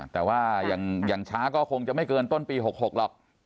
แต่ว่าอย่างช้าก็คงจะไม่เกินต้นปี๖๖หรอก